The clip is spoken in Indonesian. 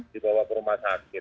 di bawah rumah sakit